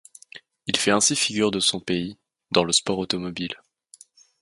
Il fait ainsi figure de de son pays, dans le sport automobile.